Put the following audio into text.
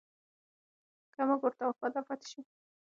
که موږ ورته وفادار پاتې شو.